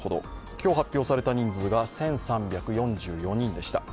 今日発表された人数が１３４４人でした。